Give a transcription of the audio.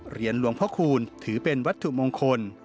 เหรียญหลวงพระคูณถือเป็นวัตถุมงคล